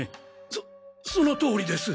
そその通りです。